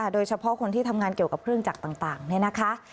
โดยเฉพาะคนที่ทำงานเกี่ยวกับเครื่องจักรต่างเนี่ยนะคะ